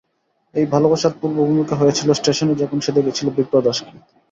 এই ভালোবাসার পূর্বভূমিকা হয়েছিল স্টেশনে যখন সে দেখেছিল বিপ্রদাসকে।